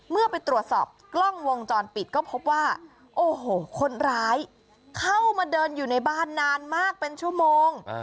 เมื่อไปตรวจสอบกล้องวงจรปิดก็พบว่าโอ้โหคนร้ายเข้ามาเดินอยู่ในบ้านนานมากเป็นชั่วโมง